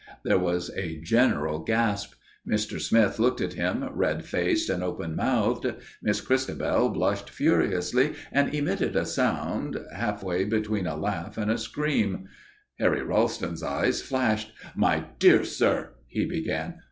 There was a general gasp. Mr. Smith looked at him, red faced and open mouthed. Miss Christabel blushed furiously and emitted a sound half between a laugh and a scream. Harry Ralston's eyes flashed. "My dear sir " he began.